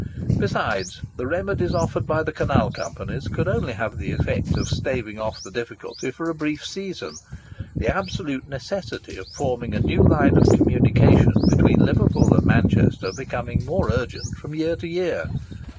Besides, the remedies offered by the canal companies could only have had the effect of staving off the difficulty for a brief season,—the absolute necessity of forming a new line of communication between Liverpool and Manchester becoming more urgent from year to year.